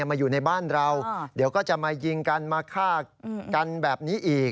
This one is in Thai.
มาอยู่ในบ้านเราเดี๋ยวก็จะมายิงกันมาฆ่ากันแบบนี้อีก